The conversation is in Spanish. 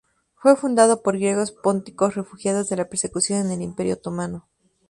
Fue fundado por griegos pónticos refugiados de la persecución en el Imperio otomano.